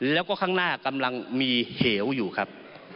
แล้วก็ข้างหน้ากำลังมีเหวอยู่ครับ